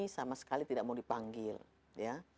sama sekali tidak mau dipanggil ya